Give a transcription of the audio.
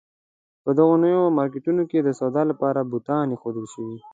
په دغو نویو مارکېټونو کې د سودا لپاره بوتان اېښودل شوي.